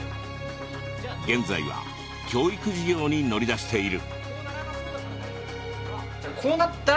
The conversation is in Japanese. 現在は教育事業に乗り出している。